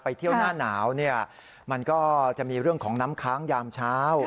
เที่ยวหน้าหนาวเนี่ยมันก็จะมีเรื่องของน้ำค้างยามเช้า